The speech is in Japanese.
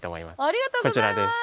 ありがとうございます。